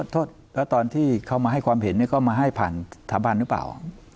โทษแล้วตอนที่เขามาให้ความเห็นก็มาให้ผ่านสถาบันหรือเปล่า